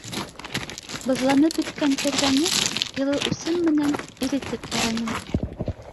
Боҙланып бөткән тәҙрәне йылы усым менән иретеп ҡараным.